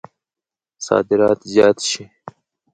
صادرات زیات شي.